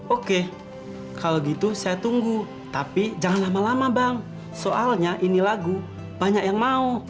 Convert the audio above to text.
oke kalau gitu saya tunggu tapi jangan lama lama bang soalnya ini lagu banyak yang mau